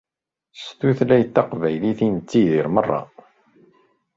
S tutlayt taqbaylit i nettdiri meṛṛa.